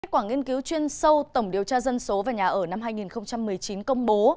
các quảng nghiên cứu chuyên sâu tổng điều tra dân số và nhà ở năm hai nghìn một mươi chín công bố